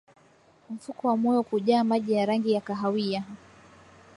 Mfuko wa moyo kujaa maji ya rangi ya kahawia